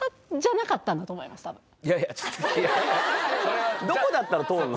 多分いやいやそれはどこだったら通るの？